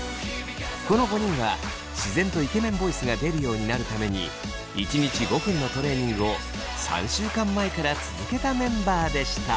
この５人は自然とイケメンボイスが出るようになるために１日５分のトレーニングを３週間前から続けたメンバーでした。